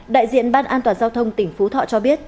đại diện ban an toàn giao thông tỉnh phú thọ cho biết